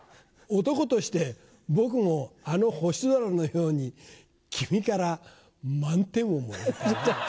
男として僕もあの星空のように君からマンテンをもらいたいな。